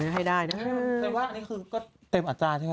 เธอว่าอันนี้คือก็เต็มอาจารย์ใช่ไหม